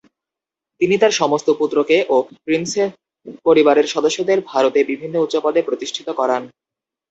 তিনি তার সমস্ত পুত্রকে ও প্রিন্সেপ পরিবারের সদস্যদের ভারতে বিভিন্ন উচ্চপদে প্রতিষ্ঠিত করান।